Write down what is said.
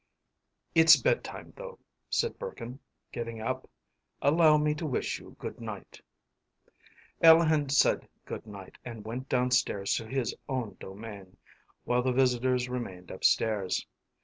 “It’s bed time, though,” said Burkin, getting up. “Allow me to wish you good night.” Alehin said good night and went downstairs to his own domain, while the visitors remained upstairs.